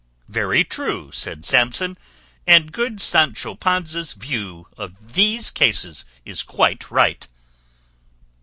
"Very true," said Samson, "and good Sancho Panza's view of these cases is quite right."